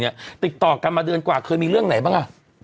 ติดต่อกันมาเดือนกว่าเคยมีเรื่องไหนบ้างอ่ะ